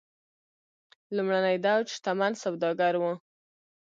لومړنی دوج شتمن سوداګر و.